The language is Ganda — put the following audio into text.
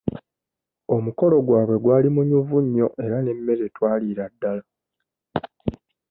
Omukolo gwabwe gwali munyuvu nnyo era n'emmere twaliira ddala.